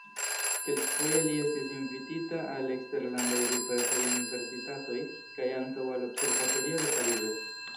Kelkfoje li estis invitita al eksterlandaj diversaj universitatoj kaj ankaŭ al observatorio de Parizo.